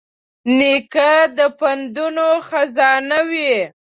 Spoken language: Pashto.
نیکه د پندونو خزانه وي.